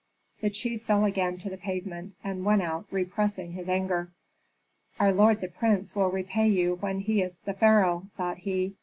The chief fell again to the pavement, and went out repressing his anger. "Our lord the prince will repay you when he is the pharaoh!" thought he.